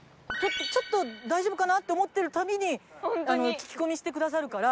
ちょっと大丈夫かな？って思ってるたびに聞き込みしてくださるから。